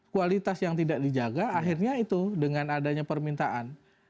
kualitas yang tidak dijaga akhirnya itu dengan adanya permintaan